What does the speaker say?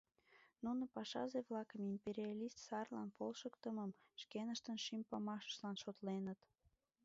Нуно пашазе-влакым империалист сарлан полшыктымым шкеныштын шӱм памашыштлан шотленыт.